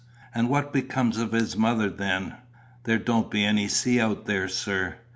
'" "And what becomes of his mother then?" "There don't be any sea out there, sir.